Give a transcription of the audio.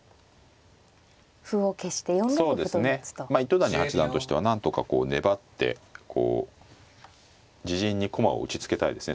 糸谷八段としてはなんとかこう粘って自陣に駒を打ちつけたいですね